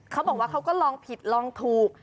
เขาบอกว่าเขาก็ลองผิดลองถูก